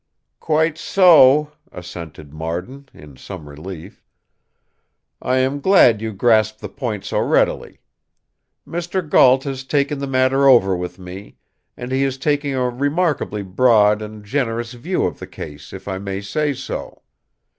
"Quite so!" assented Marden, in some relief. "I am glad you grasp the point so readily. Mr. Gault has talked the matter over with me, and he is taking a remarkably broad and generous view of the case if I may say so.